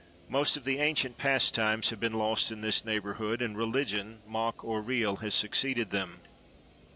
Most of the ancient pastimes have been lost in this neighborhood, and religion, mock or real, has succeeded them.